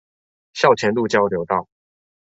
校前路交流道